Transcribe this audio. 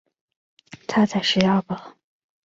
他在十二个孩子中排第七。